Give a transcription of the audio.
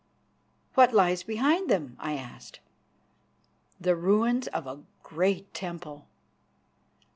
"What lies behind them?" I asked. "The ruins of a great temple."